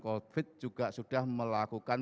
covid juga sudah melakukan